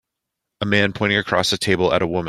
A man pointing across a table at a woman